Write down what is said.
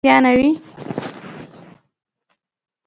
څه شي ته خو به دې اړتیا نه وي؟